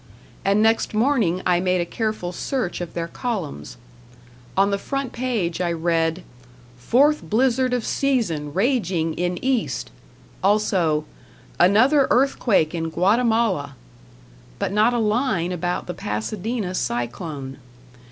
And next morning I made a careful, search of their columns. On the front page I read: "Fourth Blizzard of Season Raging in East"; also: "Another Earthquake in Guatemala". But not a line about the Pasadena cyclone.